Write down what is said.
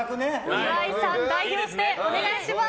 岩井さん代表してお願いします。